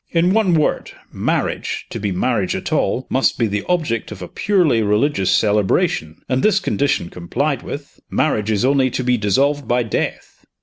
In one word, marriage, to be marriage at all, must be the object of a purely religious celebration and, this condition complied with, marriage is only to be dissolved by death.